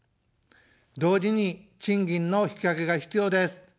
同時に賃金の引き上げが必要です。